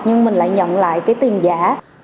nhưng mình lại nhận lại tiền giả